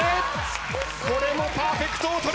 これもパーフェクトを取れない！